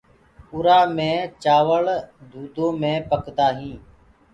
اُرآ مي چآوݪ دُوٚدو مي پڪآندآ هينٚ۔